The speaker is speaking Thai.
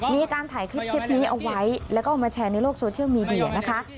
มีการถ่ายคลิปนี้เอาไว้แล้วก็เอามาแชร์ในโลกโซเชียลมีเดียนะคะ